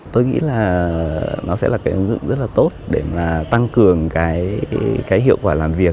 tôi nghĩ là nó sẽ là cái ứng dụng rất là tốt để mà tăng cường cái hiệu quả làm việc